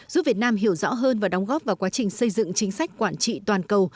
giúp việt nam hiểu rõ hơn và đóng góp vào quá trình xây dựng chính sách quản trị toàn cầu